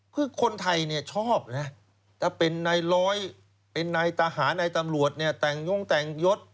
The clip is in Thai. คือคนไทยเนี่ยชอบนะถ้าเป็นนายร้อยเป็นนายทหารนายตำรวจเนี่ยแต่งย่งแต่งยศ